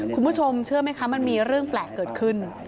คุณผู้ชมเชื่อไหมคะมันมีเรื่องแปลกเกิดขึ้น